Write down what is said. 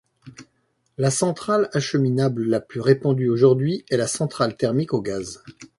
La centrale acheminable la plus répandue aujourd'hui est la centrale thermique au gaz.